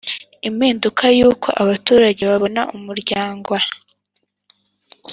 impinduka y uko abaturage babona umuryango